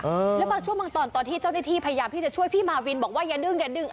แล้วบางช่วงบางตอนตอนที่เจ้าหน้าที่พยายามที่จะช่วยพี่มาวินบอกว่าอย่าดึงอย่าดึง